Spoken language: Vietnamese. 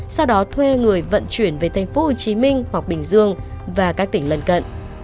sau đó thuê người vận chuyển về thành phố hồ chí minh hoặc bình dương và các tỉnh lân cận